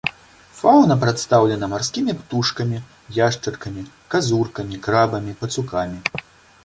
Фаўна прадстаўлена марскімі птушкамі, яшчаркамі, казуркамі, крабамі, пацукамі.